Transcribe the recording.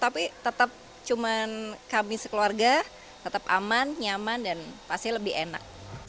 tapi tetap cuma kami sekeluarga tetap aman nyaman dan pasti lebih enak